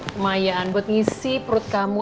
kemayaan buat ngisi perut kamu